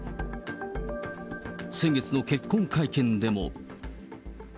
先月の結婚会見でも。